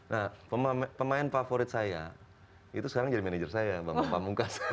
nah pemain favorit saya itu sekarang jadi manajer saya bang pamungkas